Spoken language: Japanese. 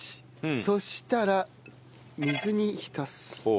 そしたら水に浸す。